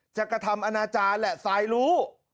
จักษ์กระทำอนาจารย์แหละสายรู้